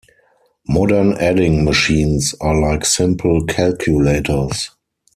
Modern adding machines are like simple calculators.